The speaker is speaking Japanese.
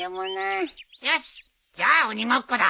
よしじゃあ鬼ごっこだ。